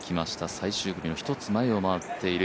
最終組の１つ前を回っている